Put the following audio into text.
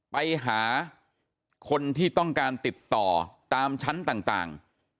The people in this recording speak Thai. ไปหาคนที่ต้องการติดต่อตามชั้นต่าง